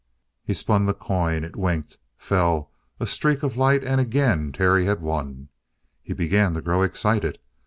He spun the coin; it winked, fell, a streak of light, and again Terry had won. He began to grow excited.